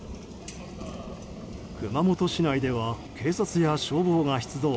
熊本市内では警察や消防が出動。